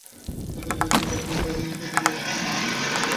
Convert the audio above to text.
দুপুরে বিরাট ডাইনিং হলে খেতে গিয়ে আমি কোনো দিনই খেতে পারতাম না।